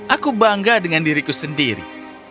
aku bangga dengan diriku sendiri